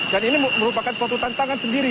dan ini merupakan kesempatan tangan sendiri